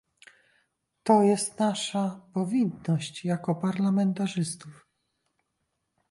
To jest nasza powinność jako parlamentarzystów